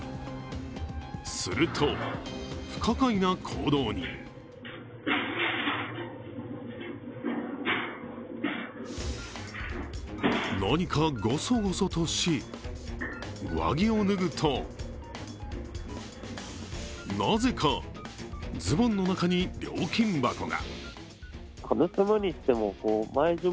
すると、不可解な行動に何かゴソゴソとし、上着を脱ぐとなぜか、ズボンの中に料金箱が。